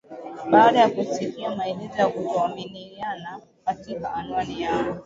baada ya kusikia maelezo ya kutokuaminiana katika anwani yao